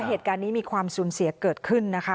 เหตุการณ์นี้มีความสูญเสียเกิดขึ้นนะคะ